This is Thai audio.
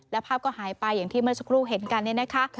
แล้วภาพก็หายไปอย่างที่เมื่อสักครู่เห็นกันเนี่ยนะคะ